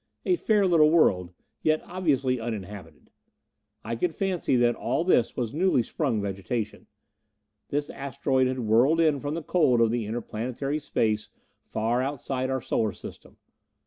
A fair little world, yet obviously uninhabited. I could fancy that all this was newly sprung vegetation. This asteroid had whirled in from the cold of the interplanetary space far outside our Solar System.